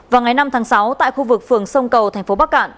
vào ngày năm tháng sáu tại khu vực phường sông cầu thành phố bắc cạn